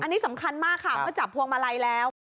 อันนี้สำคัญมากค่ะเมื่อจับพวงมาลัยแล้ว